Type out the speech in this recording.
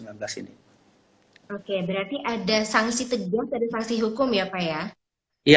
oke berarti ada sanksi tegas dari sanksi hukum ya pak ya